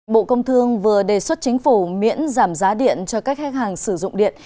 bộ công thương vừa đề xuất chính phủ miễn giảm giá điện cho các khách hàng sử dụng điện